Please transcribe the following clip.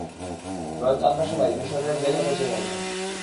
নয়তো আমরা সবাই মিশরের জেলে পচে মরব।